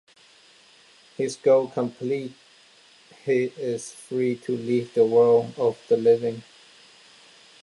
His goal complete, he is free to leave the world of the living.